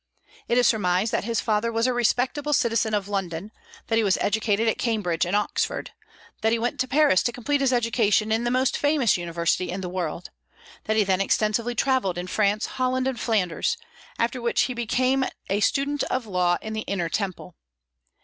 It is surmised that his father was a respectable citizen of London; that he was educated at Cambridge and Oxford; that he went to Paris to complete his education in the most famous university in the world; that he then extensively travelled in France, Holland, and Flanders, after which he became a student of law in the Inner Temple.